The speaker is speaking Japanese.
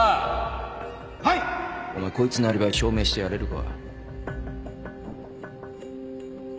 お前こいつのアリバイ証明してやれるか？